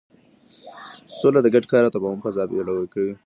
سوله د ګډ کار او تفاهم فضا پیاوړې کوي.